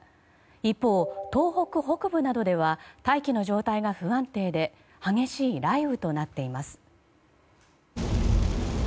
一方、東北北部などでは大気の状態が不安定で激しい雷雨となっています。